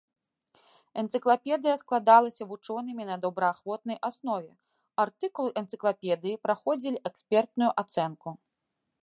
Энцыклапедыя складалася вучонымі на добраахвотнай аснове, артыкулы энцыклапедыі праходзілі экспертную ацэнку.